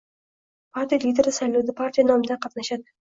Partiya lideri saylovda partiya nomidan qatnashadi.